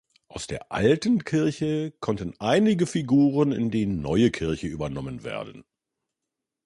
Aus der alten Kirche konnten einige Figuren in die neue Kirche übernommen werden.